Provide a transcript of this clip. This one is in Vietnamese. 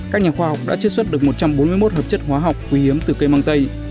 các nhà khoa học đã chiết xuất được một trăm bốn mươi một hợp chất hóa học quý hiếm từ cây mang tây